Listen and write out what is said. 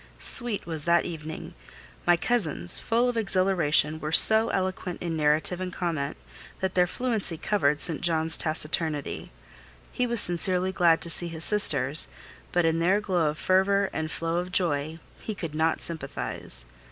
Sweet was that evening. My cousins, full of exhilaration, were so eloquent in narrative and comment, that their fluency covered St. John's taciturnity: he was sincerely glad to see his sisters; but in their glow of fervour and flow of joy he could not sympathise.